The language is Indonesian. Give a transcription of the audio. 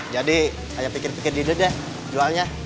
jadi saya pikir pikir di duduk deh jualnya